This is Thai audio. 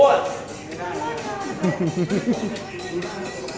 มันเป็นสิ่งที่เราไม่รู้สึกว่า